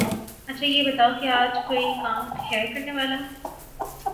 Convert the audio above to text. اچھا یہ بتاؤ کے آج کوئی کام ہے کرنے والا؟